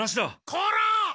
こら！